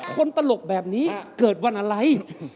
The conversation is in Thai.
ตลกแบบนี้เกิดวันอะไร